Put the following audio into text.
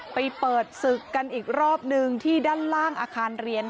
ไปเปิดศึกกันอีกรอบนึงที่ด้านล่างอาคารเรียน